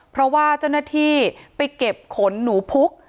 เพราะว่าเจ้าหน้าที่ไปเก็บขนหนูพุก